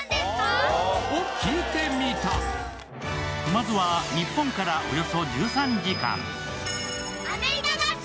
まずは、日本からおよそ１３時間。